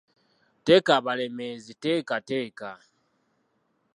Teeka abalemeezi teeka teeka.